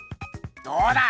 どうだ！